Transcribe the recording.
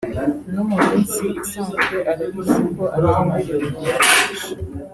no mu minsi isanzwe arabizi ko atemerewe kuyakoresha